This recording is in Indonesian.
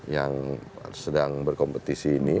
yang sedang berkompetisi ini